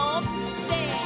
せの！